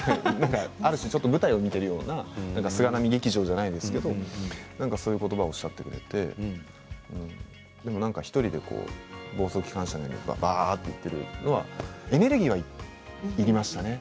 ある種、舞台を見ているような菅波劇場じゃないですけどそういうことをおっしゃってくれて１人で暴走機関車のようにばーっと言っているのはエネルギーがいりましたね。